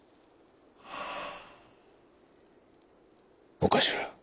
お頭